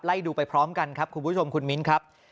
ดูไปพร้อมกันครับคุณผู้ชมคุณมิ้นครับ